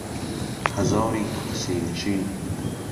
ههزاری کورسی نشین